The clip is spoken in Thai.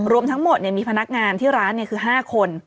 รวมทั้งหมดมีพนักงานที่ร้านคือ๕คน